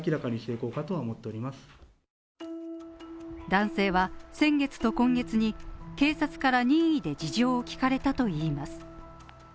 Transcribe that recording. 男性は先月と今月に警察から任意で事情を聴かれたといいます。